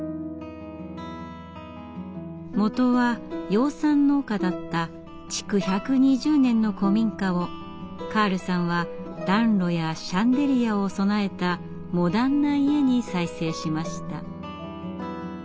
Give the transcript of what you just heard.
元は養蚕農家だった築１２０年の古民家をカールさんは暖炉やシャンデリアを備えたモダンな家に再生しました。